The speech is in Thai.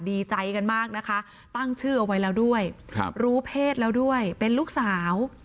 ดีใจกันมากนะคะตั้งชื่อเอาไว้แล้วด้วยรู้เพศแล้วด้วยเป็นลูกสาว